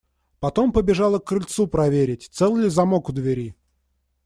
Потом побежала к крыльцу проверить, цел ли замок у двери.